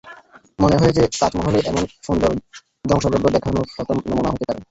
মনে হয়েছে তাজমহলই এমন সুন্দর ধ্বংসযজ্ঞ দেখানোর প্রথম নমুনা হতে পারে।